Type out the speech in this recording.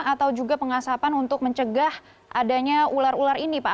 atau juga pengasapan untuk mencegah adanya ular ular ini pak